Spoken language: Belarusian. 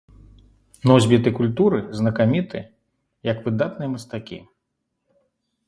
Носьбіты культуры знакаміты як выдатныя мастакі.